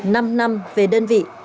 năm năm về đơn vị